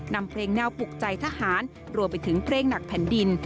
นำเพลงแนวปลุกใจทหารรวมไปถึงเพลงหนักแผ่นดิน